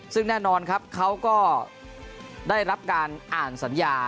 ซึ่งแน่นอนครับเขาก็ได้รับการอ่านสัญญา